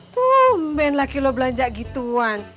tumben laki lo belanja gituan